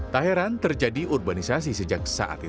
tak heran terjadi urbanisasi sejak saat ini